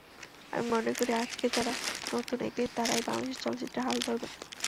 আমি মনে করি, আজকে যাঁরা নতুন, একদিন তাঁরাই বাংলাদেশের চলচ্চিত্রের হাল ধরবেন।